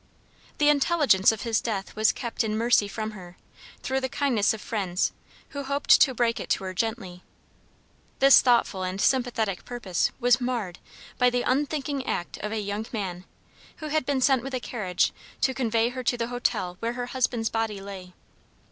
The intelligence of his death was kept in mercy from her, through the kindness of friends, who hoped to break it to her gently. This thoughtful and sympathetic purpose was marred by the unthinking act of a young man, who had been sent with a carriage to convey her to the hotel where her husband's body lay.